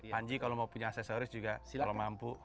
panji kalau mau punya aksesoris juga kalau mampu